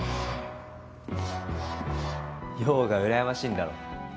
葉がうらやましいんだろ？